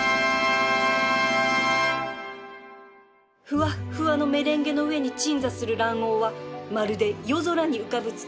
ふわっふわのメレンゲの上に鎮座する卵黄はまるで夜空に浮かぶ月